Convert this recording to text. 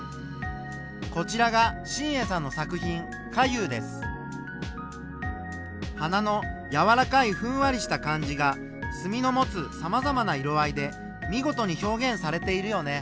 こちらが花のやわらかいふんわりした感じが墨の持つさまざまな色合いで見事に表現されているよね。